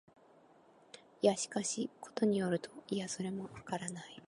いや、しかし、ことに依ると、いや、それもわからない、